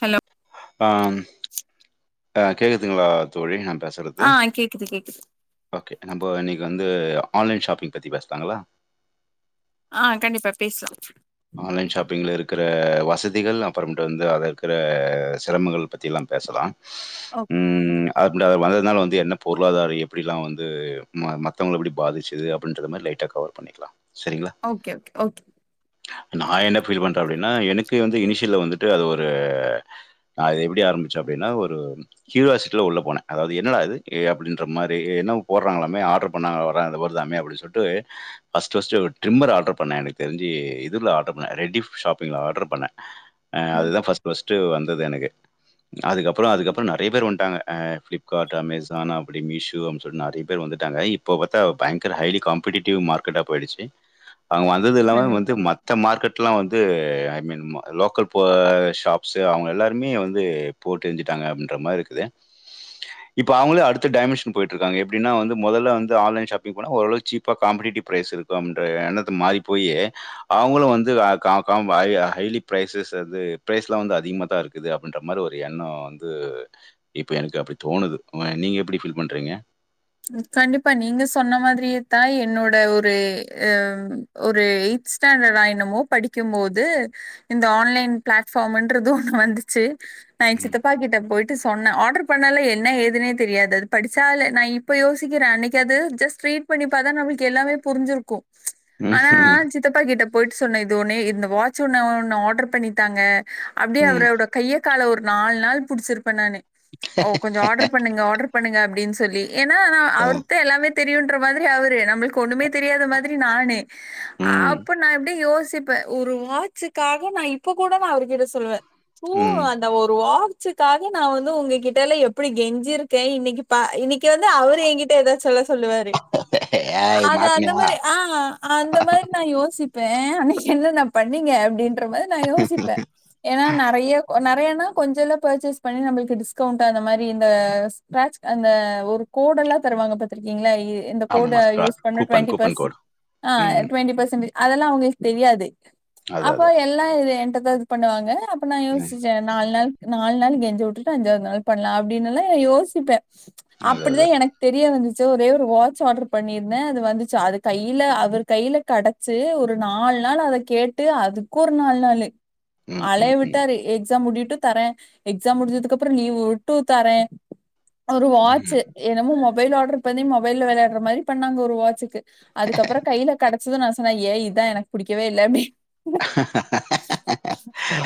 Hello ஆஹம் ஆஹ கேக்குதுங்களா தோழி நா ஆஹ கேக்குது கேக்குது அப்போ இன்னைக்கு வந்து ஆன்லைன் ஷாப்பிங் பத்தி பேசலாங்களா ஆஹ கண்டிப்பா பேசலாம் ஆன்லைன் ஷாப்பிங்கில இருக்கிற வசதிகள் அப்புறமேட்டு வந்து அத இருக்கிற சிரமங்கள் பத்தியெலாம் பேசலாம் உம் அந்த வரது வந்ததுனால வந்து என்ன பொருளாதாரம் எப்படிலாம் வந்து ம மற்றவளை எப்படி பாதிச்சது அப்டினு சொல்ற மாதிரி லைட்டா கவர் பண்ணிக்கலாம் சரிங்களா? ஓகே ஓகே ஓக் நான் என்ன ஃபீல் பண்ணுறேன் அப்டின்னா எனக்கு வந்து இனிஷியல் வந்துட்டு அது ஒரு நான் இது எப்படி ஆரம்பிச்சேன் அப்டின்னா ஒரு கியூராசிட்டியில உள்ள போனேன் அதாவது என்னடா இது அப்டின்ற மாதிரி என்ன போடுறாங்களாமே ஆர்டர் பண்ணாங்க வர வருதாமே அப்படின்னு சொல்லிட்டு ஃபர்ஸ்ட் ஃபர்ஸ்ட் ட்ரிம்மர் ஆர்டர் பண்ணேன் எனக்கு தெரிஞ்சு இதுல ஆர்டர் பண்ணே ரேட்டிங் ஷாப்பிங்ல ஆர்டர் பண்ணே அதுதான் ஃபர்ஸ்ட் ஃபர்ஸ்ட் வந் தது எனக்கு அதுக்கப்புறம் அதுக்கப்புறம் நிறைய பேர் வந்துட்டாங்க பிளிப்கார்ட் அமேசான் அப்படி மீஷோன்னு சோ நிறைய பேர் வந்துட்டாங்க இப்போ பார்த்தா பயங்கர ஹைலி காம்பட்டிட்டிவ் மார்க்கெட்டா போயிடுச்சு அவுங்க வந்தது இல்லாமே வந்து கண்டிப்பா மத் வ ீ லோாப் அவ எல்லாருமே வந்து போட்டு்சட்டாங்க அப்ப மாதிரி இருக்கு இப்ப அவங்கள அடுத்த டைமன்ஷன் போயட்டு இருக்காங்க எப்படன முதலை ஷாங் ஓவு சீப்பா காேிவ் இரு எண்ண மாறி போய [unintelligible] அவுங்களும் வந்து கா ஹைலி பிரைஸஸ் அது பிரைஸ் எல்லாம் வந்து அதிகமா தான் இருக்குது அப்டின்ற மாதிரி ஒரு எண்ணம் வந்து இப்ப எனக்கு அப்படி தோணுது நீங்க எப்படி ஃபீல் பண்றீங்க கண்டிப்பா நீங்க சொன்ன மாதிரியே தான் என்னோட ஒரு அஹ ஒரு எய்த் ஸ்டாண்டடா என்னமோ படிக்கும் போது இந்த ஆன்லைன் பிளாட்ஃபார்ம்ன்றது ஒண்ணு வந்துச்சு நான் என் ம். சித்தப்பாகிட்ட போயிட் டு சொன்னேன் ஆர்டர் பண்ணால என்ன ஏதுனே தெரியாது அது படிச்சால நான் இ இப்ப யோசிக்கிறேன் அன்னைக்கு அது ஜஸ்ட் ரீட் பண்ணிப்பாத்தா நம்மளுக்கு எல்லாமே புரிஞ்சிருக்கும் ஆனா ம். சித்தப்பாகிட்டப் போயிட்டு சொன்னேன் இது உடனே இந்த வாட்ச் ஒன்னு ஒண்ணு ஆர்டர் பண்ணிதாங்க அப்படியே ம். அவரோட கையை கால ஒரு நாலு நாள் புடிச்சிருப்பேன் நானு ஓ கொஞ்சம் ஆர்டர் பண்ணுங்க ஆர்டர் பண்ணுங்க அப்ப அப்டின்னு சொல்லி ஏன்னா அ. அவருக்குதா எல்லாமே தெரியுமுன்ற மாதிரி அவரு நம்மளுக்கு ஒண்ணுமே தெரியாத மாதிரி நானு ம். அப்ப நான எப்டி யோசிச் இப்ப ஒரு வாட்ஜ்ங்காக நான் இப்ப கூட நான் அவருர்கிட்ட சொல்லுவேன் து ம். அந்த ஒருவ ச்சகக்காக நான் வந்து உங்க கிட்டல்ல எப்படி கெஞ்சிருக்கேன் இன்னைக்கு பா இன்னைக்கு இங்க வந்து அவரு என்கிட்ட ஏதாச்சும் சொல்லுவாரு ஏய் அ அந்த மாட்னியா? மாதிரி ஆஹ் அந்த மாதிரி நான் யோசித்து இப்ப நீ என்னன்னா பண்ணீங்க அப்படின்னு அப்பரமா நான் யோசிப்பேன் ஏன்னா நிறைய நிறைய யைன்னா கொஞ்சல்ல பர்ச்சேஸ் பண்ணி நம் டிஸ்கவுண்ட் அந்த மாரி அந்த கோடெல்லாம் தருவங்க பாத்திருக்கீங்களா இந்த கோட ஆமாமா யூஸ் ஸ்க்ராட்ச் பண்ண கூப்பன் கூப்பன் டுவெண்டிபஸ் கோடு. ம். டுவெண்டி பர்சன்ஜ் அதெல்லாம் அவங்களுக்கு தெரியாது அது அதா. அப்பா எல்லாம் இ எ இது பண்ணுவாங்க அப்பனா ம் யோசிச்சேன் நால்நாள் நாலு நாள் கெஞ்சி விட்டுட்டு அஞ்சாவது நாள் பன்னலாம் அப்படின்னுலெல்லாம் யோசிப்பேன் அதான் அதான். அப்படிதான் எனக்கு தெரிய வந்துச்சு ஒரே ஒரு வாட்ச் ஆர்டர் பண்ணிருந்தேன் அது வந்துச்சு அது கையில அவர் கையில கடைச்சு ஒரு நாலு நாள் அத கேட்டு அதுக்கு ஒரு நாலு நாளு ம், அழைய ம், ம். விட்டாரு எக்ஸாம் முடிட்டு விட்டு தரேன் எக்ஸாம் உடதுக்கு அப்புறம் லீவ் விட்டு தரேன் ஒரு வா ச்சு ம். என்னமோ மொபைல் ஆடர் பண்ணி மொபைல விளையாடுறமாதிரி பண்ணாங்க ஒரு வாட்சுக்கு அதுக்கப்புறம் கையில கட அப்பையும் நான் சொன்னேன் ஏய் எனக்கு இதன் புடிக்கவேஇல்லானு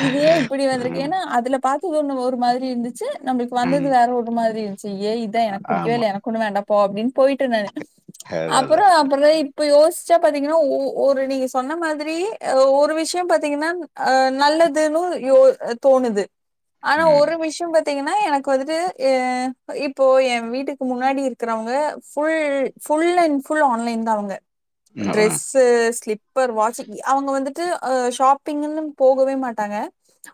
இது ஏன் இப்டி ம், வந்திருக்கேன்னா அதுல பார்த்த ஒவ்வொன்னும் ஒரு மாதிரி இருந்துச்சு நம்மளுக்கு வந்தது ம். வேற ஒரு மாதிரி இருச்சு ஏன் எனக்கு பிடிக்கவே ஆமா. இல்லை எனக்கொன்னும் வேண்ட அப்போ அப்பின்னு போயிட்டு இருந்தாரு அதான் அதான். அப்புறம் அப்புறம் இப்ப யோசிச்சா பாத்தீங்கன்னா ஒரு நீங்க சொன்ன மாதிரி ஒரு விஷயம் பாத்தீங்கன்னா அஹ் நல்லதுன்னு யோ தோணுது ஆனா ம். ஒரு விஷயம் பத்தி பத்தீங்கன்னா எனக்கு வந்து இப் இப்போ என் வீட்டுக்கு முன்னாடி இருக்கிறவங்க full and full and full online தான் அவங்க ம், அ. ட்ரெஸ் ஸ்லிப்பர் வாட்ச அவங்க வந்துட்டு த்து ஷாப்பிஙன்னு போகவே மாட்டாங்க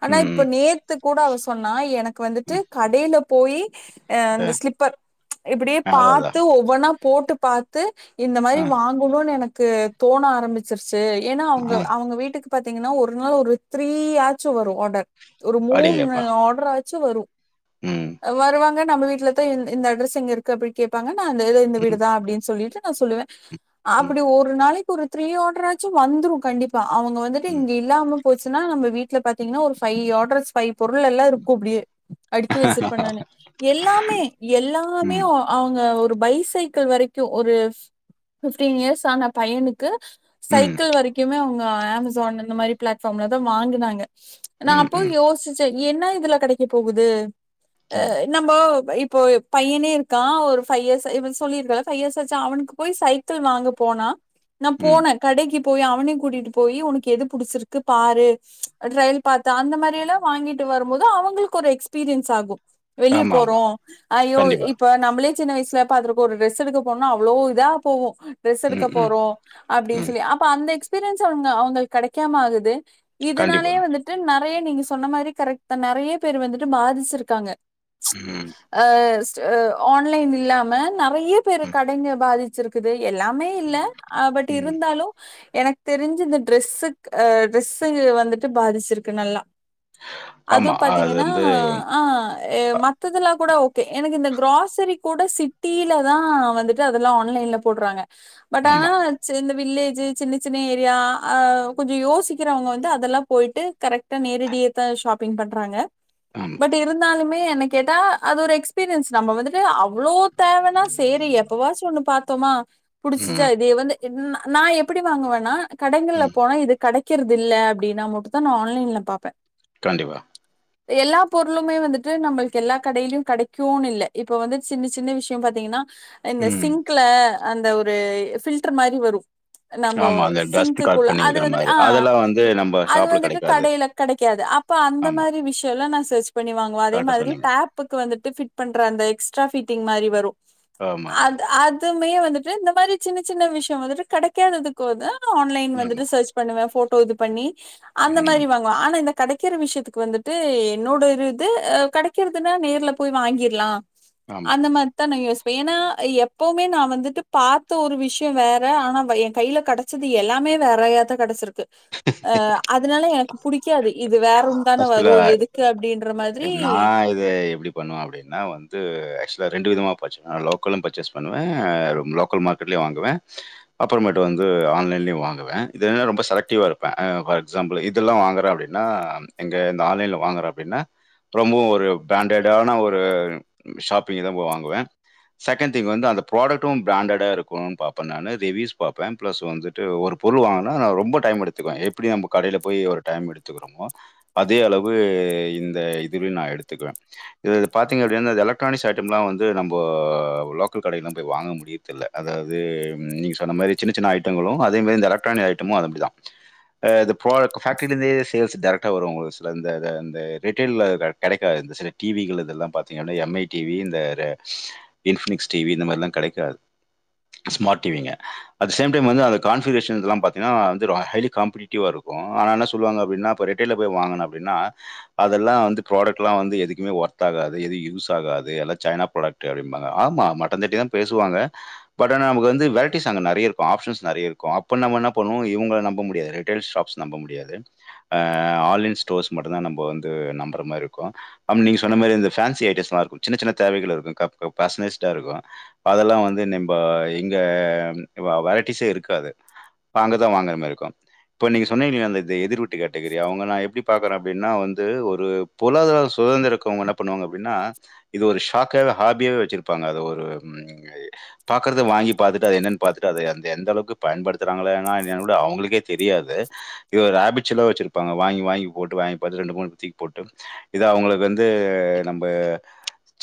ஆனா இப்ப ம், நேத்து கூட அவ சொன்னா எனக்கு வந்துட்டு ம். கடில போய் ஆ அ அந்து இப்படியே அதான் அதான். பார்த்து ஒவ்வொன்ன போட்டு பாத்து இந்த மாதரி அ, வாங்கணும்னு எனக்கு க்கு தோண ஆரம்பிச்சிருச் சு ஏன்னா அவங்க அ. அவங்க வீட்டுக்கு பாத்தீங்கன்னா ஒரு நாள் ஒரு த்ரீ ஆச்சு வரும் ஆர்டர்ட் ஒரு மூணு அடேங்கப்பா! ஆர்டர் ஆச் சு வரும் ம், அ மறுவங்க நம்ம வீட்டுல இந்த அட்ரஸ் எங்க இருக்கு அப்படி கேடப்பாங்க அந்த இந்த வீடு ம், தான் அப்டினு சொல்லிட்டு ந சொல்லுவேன் ம், அப்டி ஒரு நாளைக்கு ஒரு த்ரீ ஆர்டர் ஆச்சும் வந்துரும் கண்டிப்பா அவங்க வந்துட்டு ம். இங்க இல்லாம போச்சுன்னா நம்ம வீட்டுல பாத்தீங்கன்னா ஒரு ஃபை் ஆர்டர்ஸ் பைவ் பொருள் எல்லாம் இருக்கும் அப்டியே அடுக்கி வச்சிருப்பேன்நானு எல்லாமே எல்லாமே ம், அவங்க ஒரு பைசைக்கிள் வரைக்கும் ஒரு பிப்டன் இயர்ஸ் ஆன பயனுக்கு ம், ம், சைக்கிள வரைக்குமே அவங்க சொ அந்த அந்த மாரி பிளாட்பார்ம்ல தான் வாங்கினாங்க நான் அப்போ ம், யோசிச்சேன் என்ன இதுல கிடைக்க போகுது அ ம், நம்போ இப்போ இப்போ பையனே இருக்கான் ஒரு பைவ் இயர் அவனுக்கு போய் சைக்கிள் வாங்க போனா நா ம். போனே கடைக்கிப் போய் அவனையு கூட்டிட்டு போய் உனக்கு எது பிடிச்சிருக்கு பாரு ட்ரயல் பாத்த அந்த மாரில்லா வாங்கிட்டு வரும் போது அவங்களுக்கு ஒரு எக்ஸ்பீரியன்ஸ் ஆகு வெளிய ஆமா, ஆமா. போறோ ஐயோ கண்டிப்பா. இப்ப நம்மளே சின்ன வயசுல பாத்துப்போ ஒரு டிரெஸ் எடுக்க போனா அவ்ளோ இதா போவு ட்ரெஸ் எடுக்க ம், ம், போறோ அப்டின்னு ம். சொல்லி அப்ப அந்த எக்ஸ் பீரியன்ஸ் அவன்க அவங்கள் கெடைக்காம ஆகுது கண்டிப்பா. இதுனாலேயே வந்துட்டு ந ண் நெறைய நீங்க சொன்ன மாரி கரெக்ட் தா நெறைய பேர் வந்துட்டு பாதிச்சிருக்காங்க ம், ஆ ஸ்டு ஆன்லைன் இல்லாம நா நெறைய பேரு ம், கடைங்க பாதி ச்சிருக்குது எல்லாமே இல்ல ஆ பட் ம். இருந்தாலு எனக்கு தெரிஞ்சி இந்த ட்ரெஸ்ஸுக் அ ட்ரெஸ்ஸுங்க வந்துட்டு பாதிச்சிருக்கு நல்லா அது ஆமா. பாத்தீங்கன்னா வந்து ஆஹ் ஏ மா த்தெல்லா கூட ஓகே எனக்கு இந்த க்கிராசரி கூட சிட்டியில தா வந்துட்டு அதெல்லா ஆன்லைன்ல போட்றாங்க பட் ஆனா ஆமா, [unintelligible] வில்லேஜ் சின்ன-சின்ன ஏரியா கொஞ்ச யோசிக்கிறவங்க வந்து அதெல்லா போயிட்டு கரெக்டா நேரடியே தா ஷாப்பிங் பண்றாங்க ஆமா. பட் இருந்தாலு மே எனக் கேட்டா அது ஒரு எக்ஸ்பீரியன்ஸ் நம்ம வந்துட்டு அவ்ளோ தேவனா செரி எப்பவாச் ஒன்னு பா த்தேமா புடிச்சிச்சா ம், இது வந்து என்னா நா எப்டி வாங்குவன்னா கடைங்கல்ல ம். போனா இது கடை க்கிறது இல்ல அப்டின்னா மட்டு தா நா ஆன்லைன்ல பாப்பே கண்டிப்பா எல்லா பொருளுமே வந்துட்டு நம்ம க்கெல்லா கடையிலு கிடைக்கு இல்ல இப்ப வந்து சின்ன-சின்ன விஷய பாத்தீங்கன்னா இந்த ம். சிங்க்ல அந்த ஒரு ஃபில்டர் மாரி வரு நம்ம ஆமா. அந்த டஸ்ட் கலெக்ட் சிங்க்குக்குள்ள பண்ணி அது வைக்கிற வந்துட்டு மாரி. ஆஹ் அதெல்லாம் வந்து நம்ம அது ஷாப்ல வந்துட்டு கெடைக்காது. கடையில கெடைக்காது அப்ப அந்த ஆமா. மாரி விஷயல்லா நா சர்ச் பண்ணி வாங்குவே அதே கரெக்ட்டா மாதிரி சொன்னீங்க. ஆப்புக்கு வந்துட்டு பிட் பண்ற அந்த எக்ஸ்டரா பிட்டிங் மாரி வரும் ஆமாமா. ஆமா. அது அதுமே வந்துட்டு இந்த மாரி சின்ன சின்ன விஷயம் வந்துட்டு கெடைக்கானதுக்குத ஆன்லைன் வந்துட்டு ஆமா சர்ச் பன்னுவேன் போட்ட போது பண்ணி அந்த மாதிரி ம். வாங்குவம் ஆனா இந்த கிடைக்கிற விஷயத்துக்கு வந்துட்டு என்னோட இரு இது கட வக்கிறதுன்னா நேர்ல போய் வாங்கிடலாம் ஆமா. அந்த மாரிதான் நா யோசி என எப்வுமே ஏன்னா எப்வுமே நான வந்துட்டு பாத்த ஒரு விஷயம் வேறு ஆனால் என் கையில் கிடச்சது எல்லாமே வேறயாதுதான் கிடச்சிருக்கு அ அதனால எனக்கு புடிக்காதே இது வேற தானே ஆக்சுவலா வரும் எதுக்கு அப்டின்ற மாரி நான் இத எப்டி பண்ணுவன் அப்டின்னா வந்து ஆக்சுவலாக ரெண்டு விதமாக பர் நான் லோக்கலும் பர்ச்சேஸ் பண்ணுவன் லோக்கல் மார்க்கெட்லேயயும் வாங்குவேன் அப்பறமேட்டும் வந்து ஆன்லைன்லேயும் வாங்குவேன் இததுனா ரொம்ப செலக்டிவாக இருப்பேன் ஃபார் எக்ஸாம்பிள் இதெல்லாம் வாங்குறேன் அப்டின்னா எங்கே இந்த ஆன்லைனில் வாங்கறேன் அப்டின்னா ரொம்பவும் ஒரு பிராண்டடான ஒரு ஷாப்பிங் தான் போய் வாங்குவேன் செகண்ட் திங் வந்து அந்த ப்ராடக்ட்டும் பிராண்டடாக இருக்கணனு பாபேன் நான் ரிவிவுஸ் பாப்பேன் ப்ளஸ் வந்துட்டு ஒரு பொருள் வாங்கினா நான் ரொம்ப டைம் எடுத்துக்குவேன் எப்டி நம்ம கடயில் போய் ஒரு டைம் எடுத்துக்கிறோமோ அதே அளவு இந்த இதுலயும் நான் எடுத்துக்குவேன் இதா பாத்தீங்கப்படின்னா எலக்ட்ரானிக்ஸ் ஐடம்லா வந்து நம்ம லோக்கல் கடைம் போய் வாங்க முடியரதுதில்லா அதாவது நீங்க சொன்ன மாதரி சின்ன சின்ன ஐட்டங்களும் அதே மாதிரி இந்த எலக்ட்ரானிக் ஐட்டமும் அதுஅப்டிதா அது ஃபேக்டரிலிருந்தே சேல்ஸ் டைரக்ட் கிட்ட வரும் ஒரு சில வந்துஅது வந்து ரீடைல் கிடைக்காது சில டிவிங்கலெல்லாம் இதெல்லாம் எம் ஐ டிவி இந்த இன்பனிக்ஸ் டிவி கேடைக்காது ஸ்மார்ட் டிவிங்க அப்பனாெல்லாம் வ ப்க் எதுக்குமே ஒ்த் ஆகா எதுவும் யூஸ் ஆகாது சைனா ப்ராடக் அாங்க ஆ மட்டன் தட்டி தான் பேசுவாங்க பட் ஆ நமக்கு வந்து வெரைட்டிஸ் நெறைய இரு ஆஸ் நைய இரு நன பண்ண இ ந நம்ப முடியாது அ ஆன்லைன் ஸ்டோர்ஸ நம்ம நம்புற மாதிரி இருக்கும் நீங்க சொன்ன மாதிரி ஃபேன்ஸ் ஐட்டம்ஸ் எல்லாம் இருக்கும் [inaudible] அவங்க நான எப்டி பா்க்கறன்னா அப்டினா வந்து பொருளாதார சுதந்திரனுவாப்பாங்க ஷாக்காக ஹாபியாக பாங்க வாங்கி அது என்னன்னு பாத்துட்டு எந்த அளவுக்கு பயன்படுத்தியது எந்தளவுக்கு பயன்படுத்த விக்கராங்கலேன்னா அவங்கக்கே தெரியாது இது ஒருஅ பிச்சல்லாம் வச்சிருக்க ப்ப வாங்கி வாங்கி போட்டு வாங்க பாத்த ரெண்டு மூணு தூக்கி போட்டு இத அவங்களுக்கு வந்து நம்ம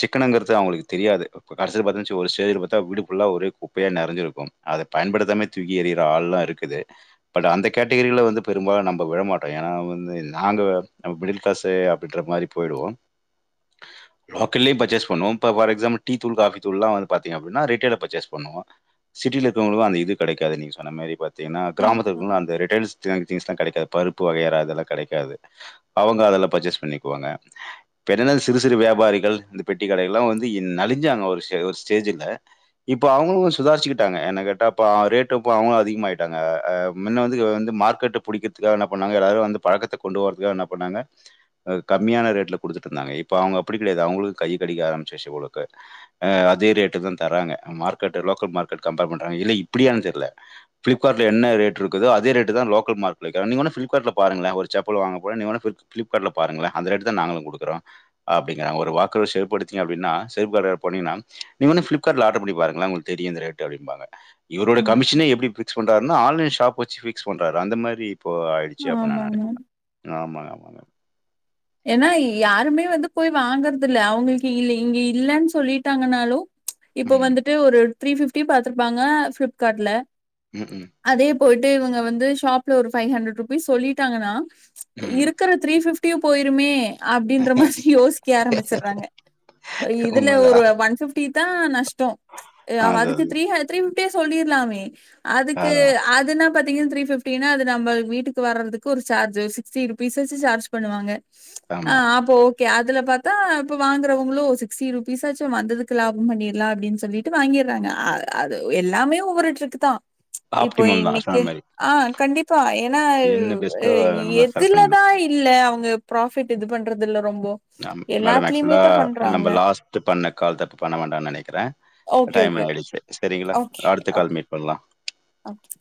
சிக்கனங்கிறது அவங்களுக்கு தெரியாது கடசில பாத்திங்கனா ஒரு டேஜுல பார்த்தா வீடு புல்லா ஒரு குப்பையா நிறை்சிருக்கும் அதை பயன்படுத்தாமே தூக்கி எறிகிற ஆள்லாம் இருக்குது பட் அந்த கேட்டகிரில் வந்து பெரும்பாலும் நம்ம விழமாட்டோம் நா வநது நாங்க மிடில் கிளாஸ் அப்டின்ற மாரி போயிடுவோம் லோக்கல்லயே பர்சேஸ் பண்ணுவோம் ஃபார் எக்ஸாம்பிள் டீத்தூள் காபித்தூள் எல்லாம் பாத்தீங்கன்னா ரீடைல்ல பர்சேஸ் பண்ணுவோம் சிட்டில இருக்கவங்க தான் இது கெடைக்கா நீங்க சொன்ன மாரி பாத்தீங்கன்னா கண்டிப்பா. கிராமத்துலலெல்லா அந்த ரிட்டான் ஸ்டா கெடைக்கும் யப்பரு யப்பு வகைரே இது யெல்லாம் கெடைாது அவங்க அதெல்லாம் பர்ஸ்செஸ் பண்ணிக்குவாங்க சிறு சிறு வியாபாரிகள் இந்த பெட்டி கடங்கயெல்லாம் வந்து நலிஞ்ஷாங்க ஒரு ஸ்டேஜுல இப்பே அவங்கலும் சுதாரிச்சுகிட்டாங்க என்ன கேட்டாக இப்ப அதிகமாயிட்டாங்க அ அ மார்க் படிக்கிறதுக்க ரும் ப கொண்டு கம்யான ரேந்த கெடையாது கைடி அதோன்ங்க மார்க்க்கல் மார தெ பாரன அதோன [inaudible] ஃபிலிப்கார்ட்ல பாருங்களே ஒரு செப்பல் வாங்க போன நீ வேனா ஃபிலிப்கார்ட்ல பாருங்கள அந்த ரேட்டு தான் நாங்களும்கெடுக்குறோம் அப்டிங்கிறங்க ஒருக்குர் செருப்புடுத்தீங்க அப்பின்னா செப்கார் பனீங்கன்னா நீங்கன்ன பிப்கார்ட் ஆர்டர் பண்ணி பாருங்கள உளுக்கு தெரிய இந்த ரே அப்பாங்க இவரோட ம். கமிஷனே எப்டி பிக்ஸ் பண்றருன்னா ஆன்லைன் ஸாப் வச்சு பிக்ஸ் பண்றாறு அந்த மாி இப்போ சி அப்பப்ப ஆமா ஆமா ந ஆமா ஆமாங்க ஏன்னா யாருமே வந்து போய் வாங்கறது இல்ல அவங்களுக்கு இல இங்க இல்லன்னு சொல்லிட்டாங்கன்னாலும் இப்ப ம். வந்துட்டு ஒரு த்ரீ பிப்டி பாத்துருப்பாங்க பிளிப்கார்ட்ல ம் ம் போயிட்டு இங்க வந்து ஷாப்பில ஒரு ஃபைவ் ஹண்ட்ரட் ருபிஸ் சொல்லிட்டாங்கன்னா ம். இருக்கற த்ரீ ஃபிப் போயிர்மே அப்டின்ற மாரி யோசிக்க ஆரம்பிச்சறாங்க இதுல ஒரு உண்மதான். ஒன் பிப்டி தான் நஷ் ட்டோ அது வாதிக்கு அது. த்ரீ அ த்ரீ அப்பே சொல்லிர்லாமே அதுக்கு அதான். அதுனா பத்தி த்ரீ த்ரீ பிப்டி ந அது நம் வீட்டுக்கு வர்றதுக்கு ஒரு சார்ஜ் சிஸ்டி ரூபிஸ் சார்ஜ் பண்ணுவாங்க ஆ ஆமா. அப்போ ஒகே அதுல பாத்தா இப்ப வாங்கறவங்களும் சிக்ஸ்டி ருபீஸாச்சும் வந்ததுக்கு லாபம் பண்ணிடலாம் அப்டின்னு சொல்லிட்டு வாங்கிடுறாங்க அது எல்லாமே ஒவ்ருசேக்கு தான் இப்போ ஆப்டிமம் தான். சொன்ன இன்னைக்கி மாரி. ஆ கண்டிப் ப்பா ஏன்னா என்ன பெஸ்ட்டோ நம்ம செலக்ட் பண்ணிக்கணும். எதுலதான் இல்ல அவங்கப் ப்ராபிட் இது பண்றதுல மேடம் ஆக்சுவலா பண்றாங்க நம்ம லாஸ்ட் பண்ண கால் தப்பு பண்ண வோண்டாம்ன்னு நினைக்கிறேன் ஓகே டைம் ஓகே ஓகே ஆயிடுச்சு சரிங்களா ஓகே அடுத்த கால் ஓகே மீட் பண்ணலா ஓகே